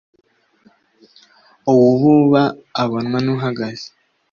uwububa abonwa n'uhagaze